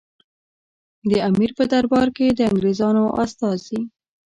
د امیر په دربار کې د انګریزانو استازي.